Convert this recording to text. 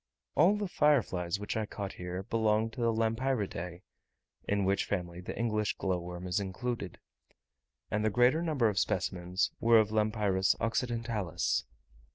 All the fireflies, which I caught here, belonged to the Lampyridae (in which family the English glowworm is included), and the greater number of specimens were of Lampyris occidentalis.